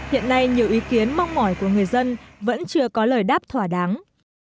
hiện nay nhiều ý kiến mong mỏi của người dân vẫn chưa có lời đáp thỏa đáng